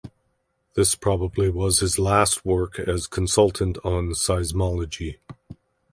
This probably was his last work as consultant on seismology.